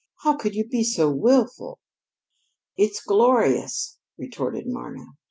"How could you be so willful?" "It's glorious," retorted Marna.